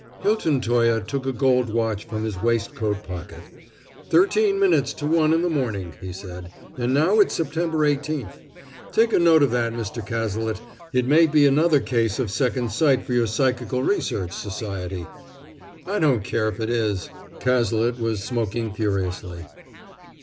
Hilton Toye took a gold watch from his waistcoat pocket. "Thirteen minutes to one in the morning," he said, "and now it's September eighteenth. Take a note of that, Mr. Cazalet. It may be another case of second sight for your psychical research society." "I don't care if it is." Cazalet was smoking furiously.